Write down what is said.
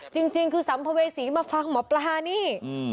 จริงคือสัมภเวษีมาฟังหมอปลานี่